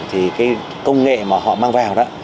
thì cái công nghệ mà họ mang vào đó